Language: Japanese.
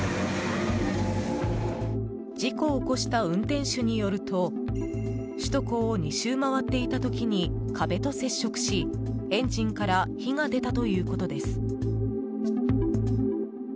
事故を起こした運転手によると首都高を２周回っていた時に壁と接触し、エンジンから火が出たということです。